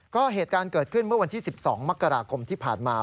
ก็เหตุการณ์เกิดขึ้นเมื่อวันที่๑๒มกราคมที่ผ่านมา